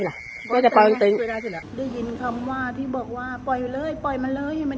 แล้วลูกเขาก็ล้อไหวว่าแม่